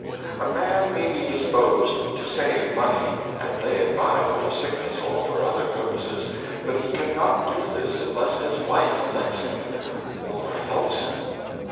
A man may be disposed to save money, and lay it by for sickness or for other purposes ; but he can not do this unless his v/ife lets him, or helps him.